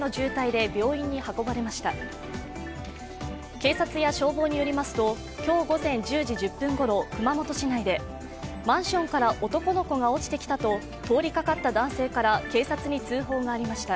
警察や消防によりますと、今日午前１０時１０分ごろ、熊本市内でマンションから男の子が落ちてきたと通りかかった男性から警察に通報がありました。